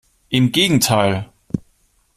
Im Gegenteil!